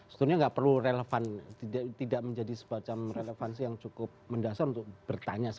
sebetulnya tidak perlu relevan tidak menjadi semacam relevansi yang cukup mendasar untuk bertanya